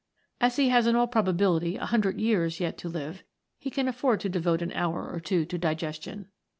As he has in all probability a hundred years yet to live, he can aiford to devote an hour or two to digestion.